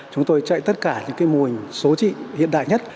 chúng tôi chạy tất cả những cái mùa hình số trị hiện đại nhất